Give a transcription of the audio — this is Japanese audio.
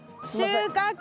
収穫！